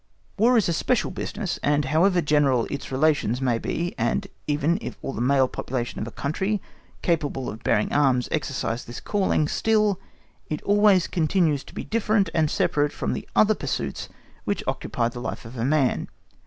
War is a special business, and however general its relations may be, and even if all the male population of a country, capable of bearing arms, exercise this calling, still it always continues to be different and separate from the other pursuits which occupy the life of man.